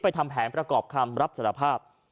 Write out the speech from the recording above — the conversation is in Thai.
ทำแผนประกอบคำรับสารภาพ